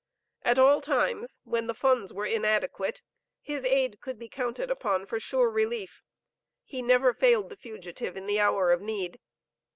At all times when the funds were inadequate, his aid could be counted upon for sure relief. He never failed the fugitive in the hour of need.